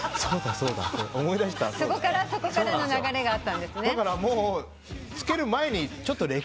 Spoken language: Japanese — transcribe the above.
そこからの流れがあったんですね。